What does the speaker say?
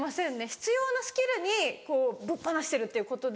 必要なスキルにぶっ放してるっていうことで。